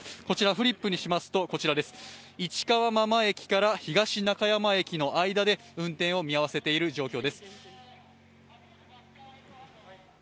こちらフリップにしますと、市川真間駅から東中山駅の間で運転を見合わせている状況です。